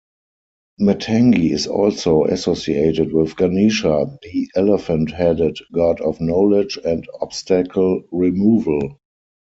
Matangi is also associated with Ganesha, the elephant-headed god of knowledge and obstacle removal.